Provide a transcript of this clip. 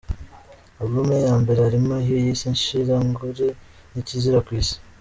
album ye ya mbere harimo iyo yise inshira ngore nikizira ku isi.